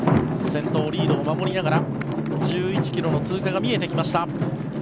先頭、リードを守りながら１１ｋｍの通過が見えてきました。